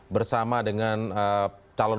bersama dengan calon